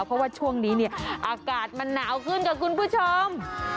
เพราะว่าช่วงนี้เนี่ยอากาศมันหนาวขึ้นกับคุณผู้ชม